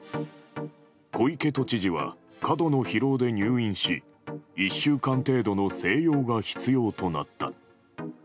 小池都知事は過度の疲労で入院し１週間程度の静養が必要となった。